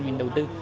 mình đầu tư